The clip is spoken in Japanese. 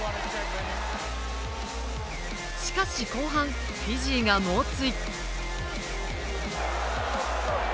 しかし後半、フィジーが猛追。